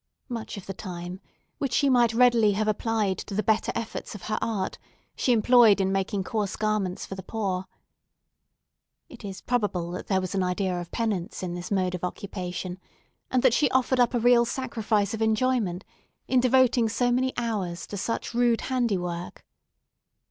Much of the time, which she might readily have applied to the better efforts of her art, she employed in making coarse garments for the poor. It is probable that there was an idea of penance in this mode of occupation, and that she offered up a real sacrifice of enjoyment in devoting so many hours to such rude handiwork.